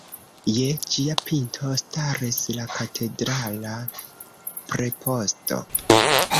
Je ĝia pinto staris la katedrala preposto.